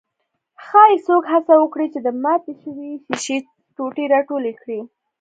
ښايي څوک هڅه وکړي چې د ماتې شوې ښيښې ټوټې راټولې کړي.